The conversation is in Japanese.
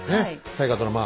大河ドラマ